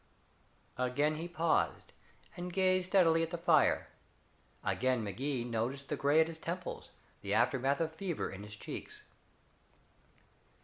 Again he paused, and gazed steadily at the fire. Again Magee noted the gray at his temples, the aftermath of fevers in his cheeks.